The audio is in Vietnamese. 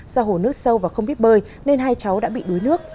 do hồ nước sâu và không biết bơi nên hai cháu đã bị đuối nước